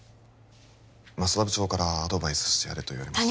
舛田部長から「アドバイスしてやれ」と言われました